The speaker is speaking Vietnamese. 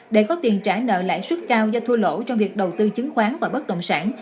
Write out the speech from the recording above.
để có tiền trả nợ lãi suất cao do thua lỗ trong việc đầu tư chứng khoán và bất động sản